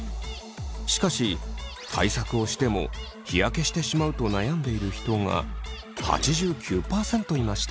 しかし対策をしても日焼けしてしまうと悩んでいる人が８９％いました。